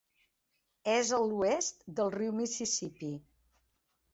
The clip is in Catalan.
És a l'oest del riu Mississippi.